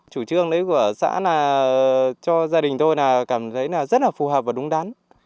chủ trương của xã cho gia đình tôi cảm thấy rất là phù hợp và đúng đắn